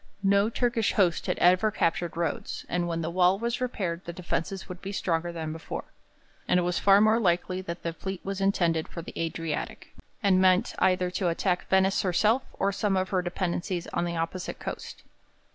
No Turkish host had ever captured Rhodes, and when the wall was repaired the defences would be stronger than before. And it was far more likely that the fleet was intended for the Adriatic, and meant either to attack Venice herself or some of her dependencies on the opposite coast.